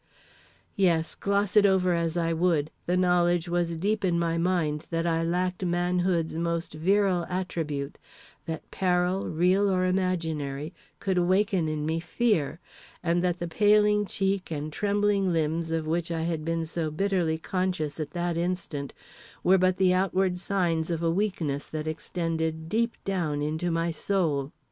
_ Yes, gloss it over as I would, the knowledge was deep in my mind that I lacked manhood's most virile attribute; that peril, real or imaginary, could awaken in me fear; and that the paling cheek and trembling limbs of which I had been so bitterly conscious at that instant were but the outward signs of a weakness that extended deep down into my soul.